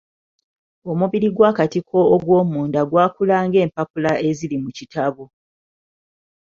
Omubiri gw'akatiko ogw'omunda gwakula ng'empapula eziri mu kitabo.